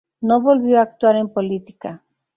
No volvió a actuar en política.